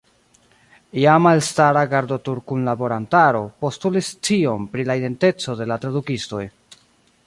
Iama elstara Gardotur-kunlaborantaro postulis scion pri la identeco de la tradukistoj.